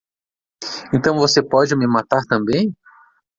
Então você pode me matar também?